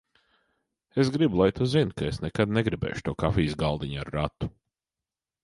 Es gribu, lai tu zini, ka es nekad negribēšu to kafijas galdiņu ar ratu.